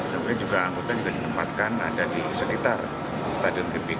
kemudian juga angkutan juga ditempatkan ada di sekitar stadion gbk